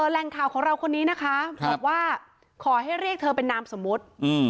แหล่งข่าวของเราคนนี้นะคะบอกว่าขอให้เรียกเธอเป็นนามสมมุติ